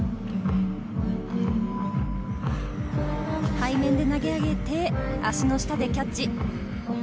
背面で投げ上げて足の下でキャッチ。